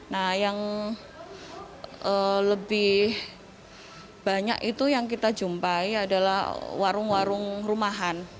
nah yang lebih banyak itu yang kita jumpai adalah warung warung rumahan